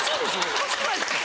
おかしくないですか？